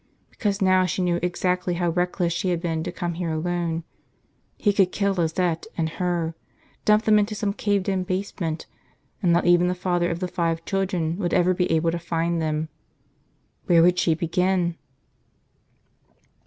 Because now she knew exactly how reckless she had been to come here alone. He could kill Lizette and her, dump them into some caved in basement, and not even the father of the five children would ever be able to find them. Where would she begin?